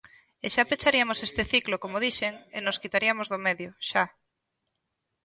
E xa pechariamos este ciclo, como dixen, e nos quitariamos do medio, xa.